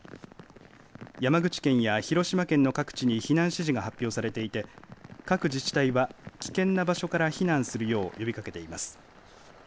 山口県や広島県の各地に避難指示が発表されていて各自治体は危険な場所から避難するよう呼びかけています。